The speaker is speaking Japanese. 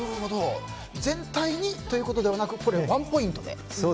全体にということではなくワンポイントで。